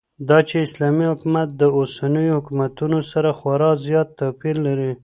داچې اسلامي حكومت داوسنيو حكومتونو سره خورا زيات توپير لري